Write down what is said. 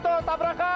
iba dia ditabrak iba